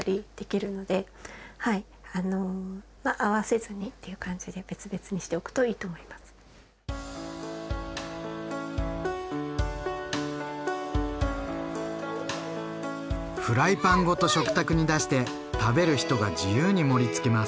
フライパンごと食卓に出して食べる人が自由に盛りつけます。